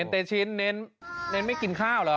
ก็ชิ้นใจขอบคุณพ่อแม่ที่ให้เราเกิดมา